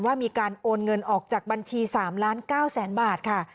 ว่ามีการโอนเงินออกจากบัญชี๓๙๐๐๐๐๐บาทค่ะ